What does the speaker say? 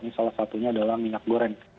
ini salah satunya adalah minyak goreng